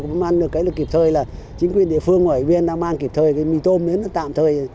không ăn được cái là kịp thời là chính quyền địa phương ở bên đang ban kịp thời cái mì tôm đến là tạm thời